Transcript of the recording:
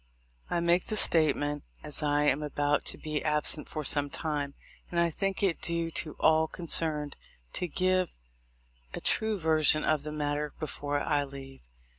"I make this statement, as I am about to be absent for some time, and I think it due to all con cerned to give a true version of the matter before I leave.